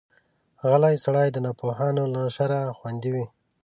غلی سړی، د ناپوهانو له شره خوندي وي.